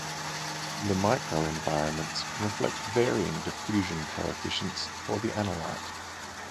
The micro-environments reflect varying diffusion co-efficients for the analyte.